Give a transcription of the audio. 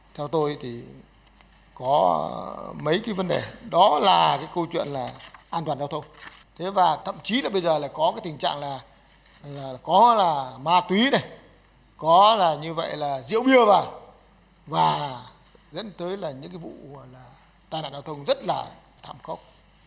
theo tôi thì có mấy cái vấn đề đó là cái câu chuyện là an toàn giao thông thế và thậm chí là bây giờ là có cái tình trạng là có là ma túy này có là như vậy là rượu bia vào và dẫn tới là những cái vụ là tai nạn giao thông rất là thảm khốc